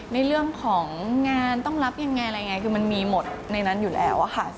ในเรื่องของงานต้องรับยังไงอะไรยังไงคือมันมีหมดในนั้นอยู่แล้วค่ะ